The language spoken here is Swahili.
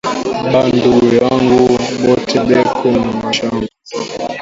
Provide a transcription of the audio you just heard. Ba nduku yangu bote beko na mashamba